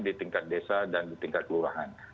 di tingkat desa dan di tingkat kelurahan